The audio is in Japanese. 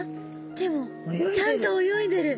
でもちゃんと泳いでる！